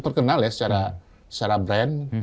terkenal ya secara brand